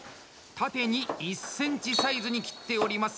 縦に１センチサイズに切っております。